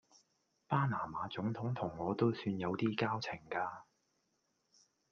巴拿馬總統同我都算有啲交情㗎